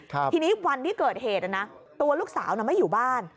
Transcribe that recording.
ทีนี้วันที่เกิดเหตุนะตัวลูกสาวน่ะไม่อยู่บ้าน